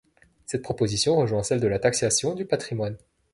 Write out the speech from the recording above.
Cette proposition rejoint celle de la taxation du patrimoine.